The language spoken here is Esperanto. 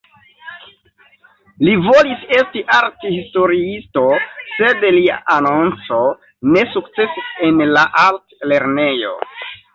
Li volis esti arthistoriisto, sed lia anonco ne sukcesis en la altlernejo.